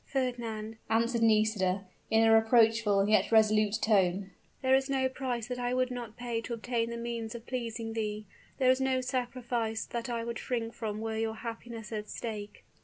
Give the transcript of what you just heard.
"Fernand," answered Nisida, in a reproachful and yet resolute tone, "there is no price that I would not pay to obtain the means of pleasing thee! there is no sacrifice that I should shrink from were your happiness at stake!"